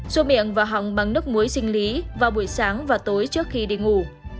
xô miệng và hỏng bằng nước muối sinh lý vào buổi sáng và tối trước khi đi ngủ